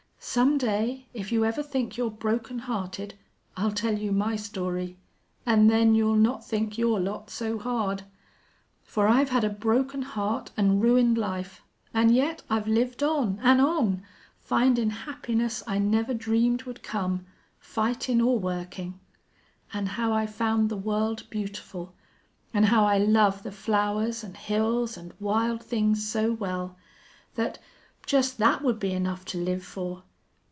Some day, if you ever think you're broken hearted, I'll tell you my story. An' then you'll not think your lot so hard. For I've had a broken heart an' ruined life, an' yet I've lived on an' on, findin' happiness I never dreamed would come, fightin' or workin'. An' how I found the world beautiful, an' how I love the flowers an' hills an' wild things so well that, just that would be enough to live for!...